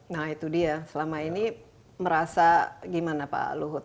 nah itu dia selama ini merasa gimana pak luhut